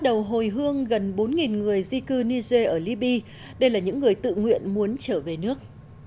đầu hồi hương gần bốn người di cư niger ở liby đây là những người tự nguyện muốn trở về nước